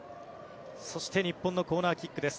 そして日本のコーナーキックです。